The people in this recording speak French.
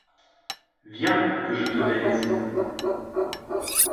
Viens, que je te baise!